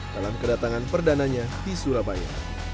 dalam kedatangan perdananya di surabaya